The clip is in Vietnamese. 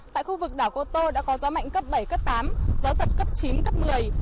tại khu vực đảo cô tô đã có gió mạnh cấp bảy cấp tám gió giật cấp chín cấp một mươi